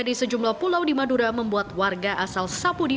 di sejumlah pulau di madura membuat warga asal sapudi